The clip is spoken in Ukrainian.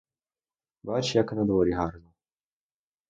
Бач, як надворі гарно.